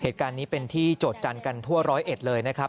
เหตุการณ์นี้เป็นที่โจทย์กันทั่วร้อยเอ็ดเลยนะครับ